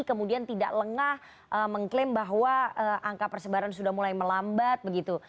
kemudian tidak lengah mengklaim bahwa angka persebaran sudah mulai melambat begitu